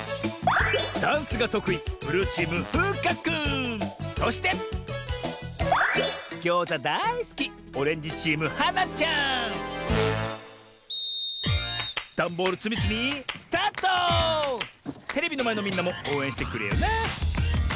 ダンスがとくいそしてギョーザだいすきダンボールつみつみテレビのまえのみんなもおうえんしてくれよな！